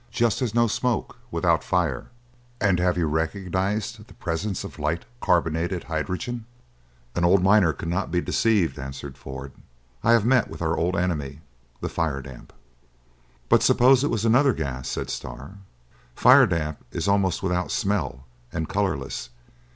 "Just as no smoke without fire." "And have you recognized the presence of light carburetted hydrogen?" "An old miner could not be deceived," answered Ford. "I have met with our old enemy, the fire damp!" "But suppose it was another gas," said Starr. "Firedamp is almost without smell, and colorless.